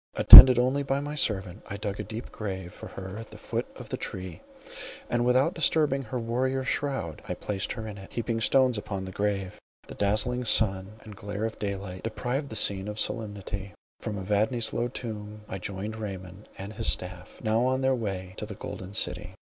Attended only by my servant, I dug a deep grave for her at the foot of the tree, and without disturbing her warrior shroud, I placed her in it, heaping stones upon the grave. The dazzling sun and glare of daylight, deprived the scene of solemnity; from Evadne's low tomb, I joined Raymond and his staff, now on their way to the Golden City.